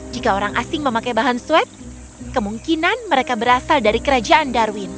jika orang asing memakai bahan swep kemungkinan mereka berasal dari kerajaan darwin